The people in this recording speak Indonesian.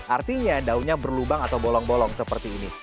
artinya daunnya berlubang atau bolong bolong seperti ini